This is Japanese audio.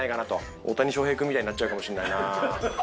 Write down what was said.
大谷翔平くんみたいになっちゃうかもしれないな。